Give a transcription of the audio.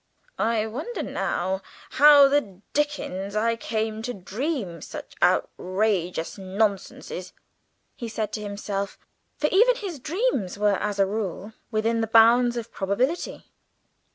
"I wonder now how the dickens I came to dream such outrageous nonsense!" he said to himself, for even his dreams were, as a rule, within the bounds of probability.